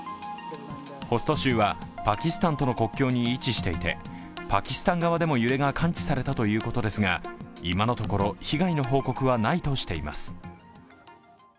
ホスト州はパキスタンとの国境に位置していてパキスタン側でも揺れが感知されたということですが、今のところ被害の報告はないとしています。